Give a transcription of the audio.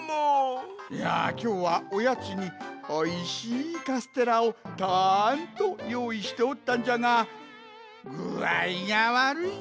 いやきょうはおやつにおいしいカステラをたんとよういしておったんじゃがぐあいがわるいんじゃあたべられんのう。